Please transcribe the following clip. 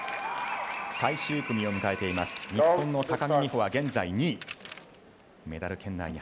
最終組を迎えている日本の高木美帆は現在２位メダル圏内。